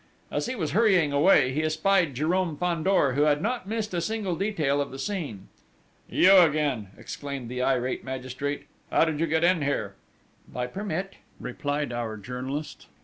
As he was hurrying away, he spied Jérôme Fandor, who had not missed a single detail of the scene. "You again!" exclaimed the irate magistrate: "How did you get in here?" "By permit," replied our journalist.